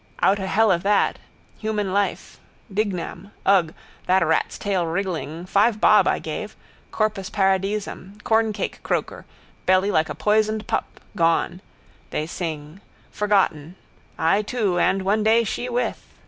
Outtohelloutofthat. Human life. Dignam. Ugh, that rat's tail wriggling! Five bob I gave. Corpus paradisum. Corncrake croaker: belly like a poisoned pup. Gone. They sing. Forgotten. I too. And one day she with.